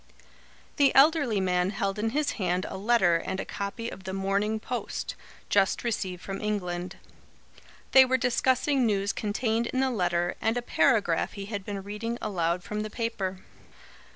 The elderly man held in his hand a letter and a copy of the MORNING POST, just received from England. They were discussing news contained in the letter and a paragraph he had been reading aloud from the paper.